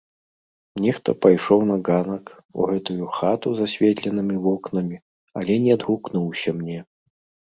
Нехта пайшоў на ганак, у гэтую хату з асветленымі вокнамі, але не адгукнуўся мне.